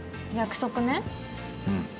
うん。